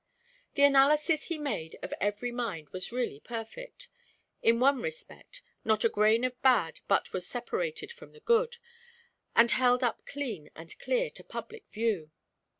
The analysis he made of every mind was really perfect in one respect, not a grain of bad but was separated from the good, and held up clean and clear to public view.